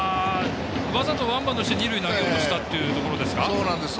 わざとワンバウンドして二塁へ投げようとしたというところですか。